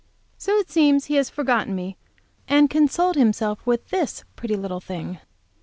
So it seems he has forgotten me, and consoled himself with this pretty little thing.